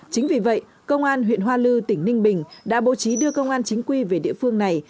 chính vì vậy công an huyện hoa lư tỉnh ninh bình đã bố trí đưa công an chính quy về địa phương này